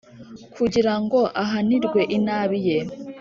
kugira ngo ahanirwe inabi ye.